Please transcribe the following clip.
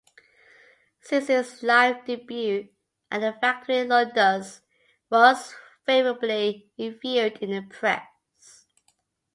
Since its live debut at The Factory, Ludus was favourably reviewed in the press.